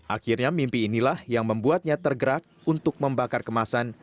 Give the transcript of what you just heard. akhirnya mimpi inilah yang membuatnya tergerak untuk membakar kemasan